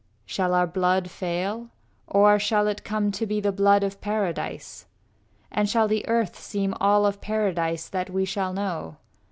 Shall our blood fail? Or shall it come to be The blood of paradise? And shall the earth Seem all of paradise that we shall know?